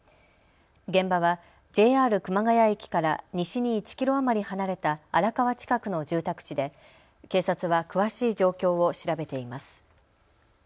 現場はＪＲ熊谷駅から西に１キロ余り離れた荒川近くの住宅地で警察は詳しい状況を調べています。